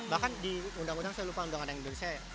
bahkan di undang undang saya lupa undang undang indonesia